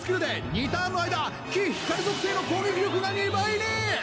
２ターンの間木・光属性の攻撃力が２倍に！